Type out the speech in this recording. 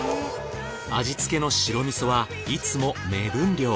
味付けの白味噌はいつも目分量。